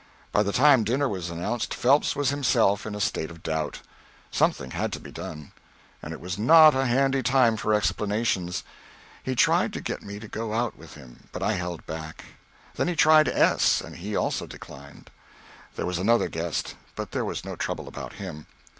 By the time dinner was announced Phelps was himself in a state of doubt. Something had to be done; and it was not a handy time for explanations. He tried to get me to go out with him, but I held back; then he tried S., and he also declined. There was another guest, but there was no trouble about him.